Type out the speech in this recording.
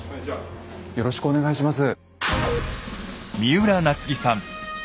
よろしくお願いします。